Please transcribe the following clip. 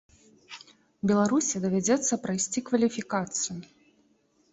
Беларусі давядзецца прайсці кваліфікацыю.